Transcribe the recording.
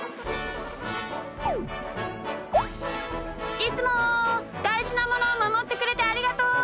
いつもだいじなものをまもってくれてありがとう！